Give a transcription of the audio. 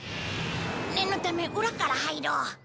念のため裏から入ろう。